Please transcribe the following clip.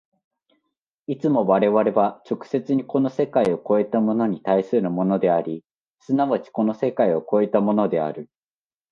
いつも我々は直接にこの世界を越えたものに対するものであり、即ちこの世界を越えたものである。